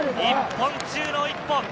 １本中の１本！